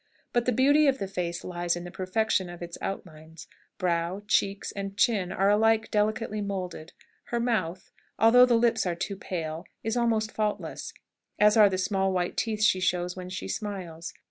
But the beauty of the face lies in the perfection of its outlines: brow, cheeks, and chin are alike delicately moulded; her mouth although the lips are too pale is almost faultless, as are the white, small teeth she shows when she smiles.